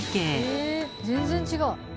え全然違う。